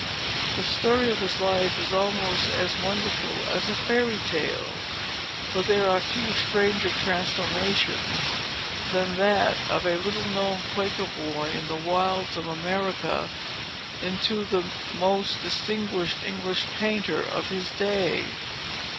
The story of his life is almost as wonderful as a fairy tale; for there are few stranger transformations than that of a little unknown Quaker boy, in the wilds of America, into the most distinguished English painter of his day.